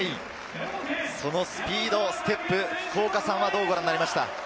そのスピード、ステップ、福岡さんはどうご覧になりましたか？